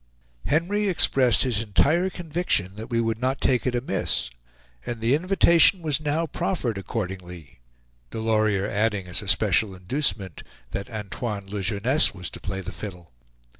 Henry expressed his entire conviction that we would not take it amiss, and the invitation was now proffered, accordingly, Delorier adding as a special inducement that Antoine Lejeunesse was to play the fiddle.